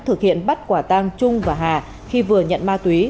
thực hiện bắt quả tang trung và hà khi vừa nhận ma túy